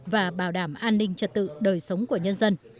và bảo đảm an ninh trật tự đời sống của nhân dân